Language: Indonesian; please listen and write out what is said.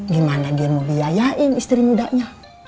gimana dia mau biayain istri mudanya